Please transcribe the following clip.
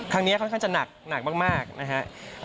ครั้งนี้ค่อนข้างจะหนักมากนะครับ